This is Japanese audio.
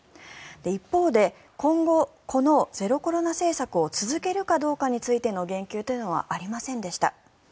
一方で今後このゼロコロナ政策を続けるかどうかについての言及というのはありませんでした。